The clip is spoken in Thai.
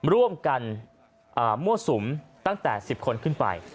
ร่วมกันมั่วสุมตั้งแต่๑๐คนขึ้นไป